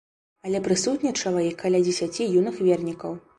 Але прысутнічала і каля дзесяці юных вернікаў.